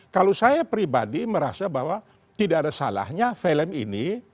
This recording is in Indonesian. kalau saya pribadi merasa bahwa tidak ada salahnya film ini